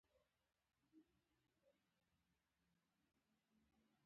وینز به د نړۍ لومړۍ پرانېسته ټولنه وي